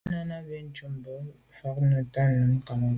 À nɑ̀’ yǎ cûp bú mbə̌ bū fâ’ bû nə̀tɑ́ nǔm Cameroun.